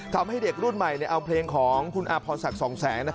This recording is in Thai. ทำให้เด็กรุ่นใหม่เอาเพลงของคุณอาพรศักดิ์สองแสง